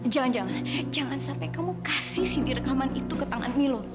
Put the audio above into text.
jangan jangan jangan sampai kamu kasih si di rekaman itu ke tangan milo